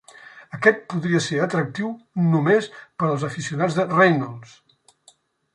Aquest podria ser atractiu només per als aficionats de Reynolds.